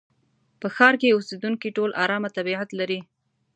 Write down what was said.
په ښار کې اوسېدونکي ټول ارامه طبيعت لري.